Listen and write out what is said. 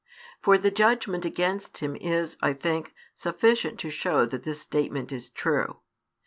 For the judgment against him is, I think, sufficient to show that this statement is true.